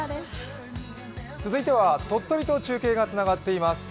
続いては鳥取と中継がつながっています。